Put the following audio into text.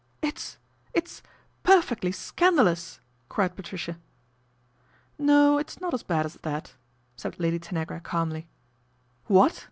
" It's it's perfectly scandalous !" cried Patricia. " No, it's not as bad as that," said Lady Tanagra calmly "What?"